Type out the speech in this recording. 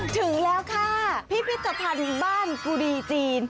ถึงแล้วค่ะพิพิธภัณฑ์บ้านกุดีจีน